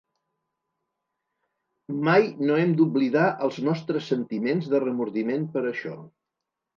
Mai no hem d'oblidar els nostres sentiments de remordiment per això.